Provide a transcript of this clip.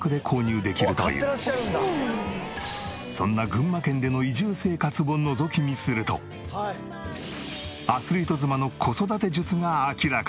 そんな群馬県での移住生活をのぞき見するとアスリート妻の子育て術が明らかに！